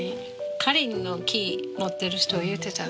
カリンの木を持ってる人言うてた。